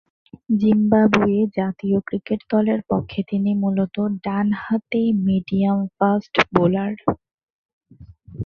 Zimbabwe জাতীয় cricket দলের পক্ষে তিনি মূলতঃ ডানহাতে মিডিয়াম-ফাস্ট বোলার।